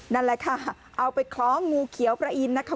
นั่นแหละค่ะเอาไปคล้องงูเขียวพระอินทนะคะ